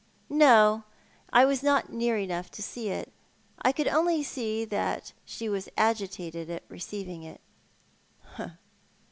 " No, I was not near enough to see that. I could only see that she was agitated at receiving it."